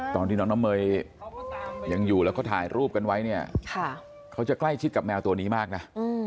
ตอนที่น้องน้ำเมย์ยังอยู่แล้วก็ถ่ายรูปกันไว้เนี่ยเขาจะใกล้ชิดกับแมวตัวนี้มากนะ